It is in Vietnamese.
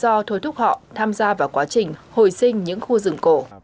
đó cũng là lý do thối thúc họ tham gia vào quá trình hồi sinh những khu rừng cổ